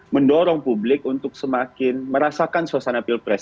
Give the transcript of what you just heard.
mendorong publik untuk semakin merasakan suasana pilpres